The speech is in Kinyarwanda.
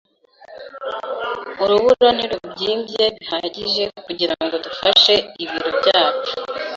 Urubura ntirubyimbye bihagije kugirango dufashe ibiro byacu.